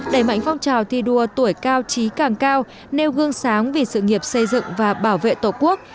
đẩy mạnh phong trào thi đua tuổi cao trí càng cao nêu gương sáng vì sự nghiệp xây dựng và bảo vệ tổ quốc